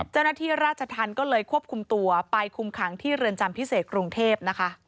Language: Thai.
เจ้าหน้าที่ราชธรรมก็เลยควบคุมตัวไปคุมขังที่เรือนจำพิเศษกรุงเทพนะคะ